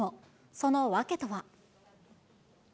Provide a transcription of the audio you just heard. その訳とは。